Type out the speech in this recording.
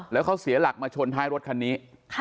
แล้วเขาเสียหลักมาชนท้ายรถคันนี้